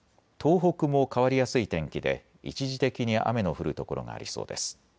東北も変わりやすい天気で一時的に雨の降る所がありそうです。